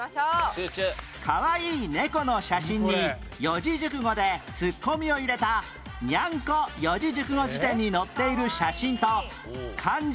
かわいいネコの写真に四字熟語でツッコミを入れた『にゃんこ四字熟語辞典』に載っている写真と漢字